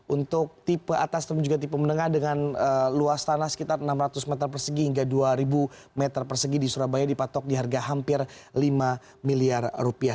untuk tipe atas dan juga tipe menengah dengan luas tanah sekitar enam ratus meter persegi hingga dua ribu meter persegi di surabaya dipatok di harga hampir lima miliar rupiah